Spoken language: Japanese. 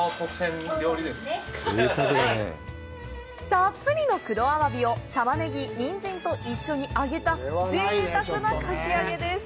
たっぷりの黒アワビを、玉ねぎ、ニンジンと一緒に揚げた、ぜいたくなかき揚げです！